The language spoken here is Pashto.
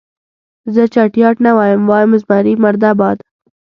زه چټیات نه وایم، وایم زمري مرده باد.